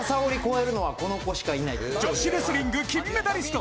女子レスリング金メダリスト